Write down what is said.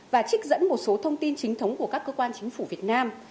và trích dẫn một số thông tin chính thống của các cơ quan chính phủ việt nam